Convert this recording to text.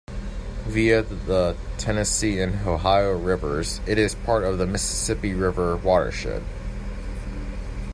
Via the Tennessee and Ohio rivers, it is part of the Mississippi River watershed.